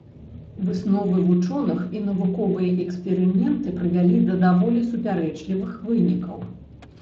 Высновы вучоных і навуковыя эксперыменты прывялі да даволі супярэчлівых вынікаў.